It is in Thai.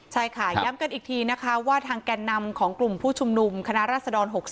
ใช่ค่ะย้ำกันอีกทีนะคะว่าทางแก่นนำของกลุ่มผู้ชุมนุมคณะรัศดร๖๓